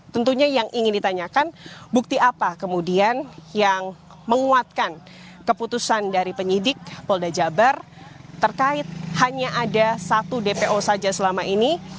tentunya yang ingin ditanyakan bukti apa kemudian yang menguatkan keputusan dari penyidik polda jabar terkait hanya ada satu dpo saja selama ini